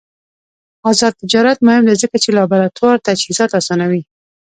آزاد تجارت مهم دی ځکه چې لابراتوار تجهیزات اسانوي.